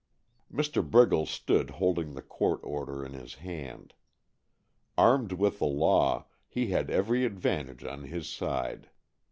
Mr. Briggles stood holding the court order in his hand. Armed with the law, he had every advantage on his side.